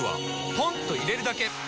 ポンと入れるだけ！